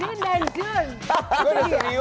itu dia teman zin